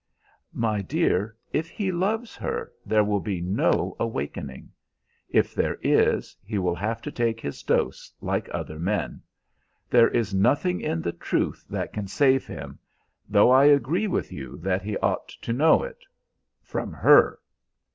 "My dear, if he loves her there will be no awakening. If there is, he will have to take his dose like other men. There is nothing in the truth that can save him, though I agree with you that he ought to know it from her."